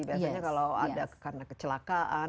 biasanya kalau ada karena kecelakaan